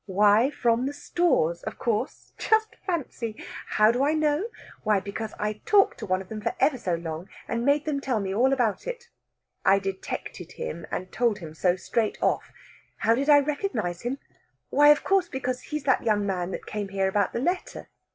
Why, from the Stores, of course. Just fancy!... How do I know? Why, because I talked to one of them for ever so long, and made him tell me all about it. I detected him, and told him so straight off. How did I recognise him? Why, of course, because he's that young man that came here about the letter.